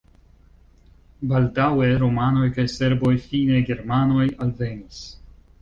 Baldaŭe rumanoj kaj serboj, fine germanoj alvenis.